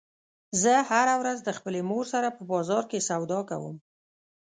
زه هره ورځ د خپلې مور سره په بازار کې سودا کوم